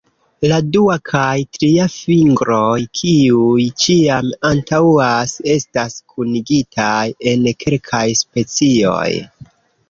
La dua kaj tria fingroj, kiuj ĉiam antaŭas, estas kunigitaj en kelkaj specioj.